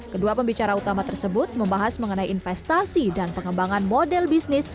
kedua pembicara utama tersebut membahas mengenai investasi dan pengembangan model bisnis